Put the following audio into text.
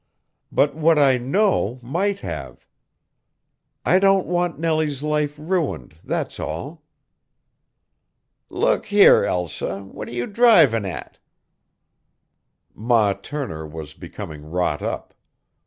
But what I know might have. I don't want Nellie's life ruined, that's all." "Look here, Elsa, what're you drivin' at?" Ma Turner was becoming wrought up.